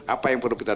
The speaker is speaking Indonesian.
apa yang perlu kita